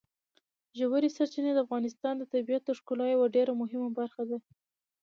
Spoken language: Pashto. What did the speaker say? ژورې سرچینې د افغانستان د طبیعت د ښکلا یوه ډېره مهمه برخه ده.